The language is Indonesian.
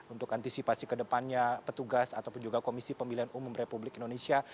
untuk antisipasi ke depannya petugas ataupun juga komisi pemilihan umum republik indonesia